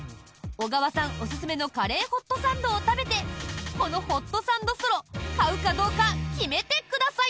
小川さんおすすめのカレーホットサンドを食べてこのホットサンドソロ買うかどうか決めてください！